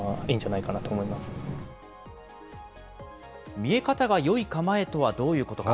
見え方がよい構えとはどういうことか。